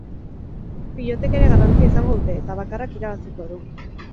Pilotek ere garrantzia izango dute, eta bakarrak irabaziko du.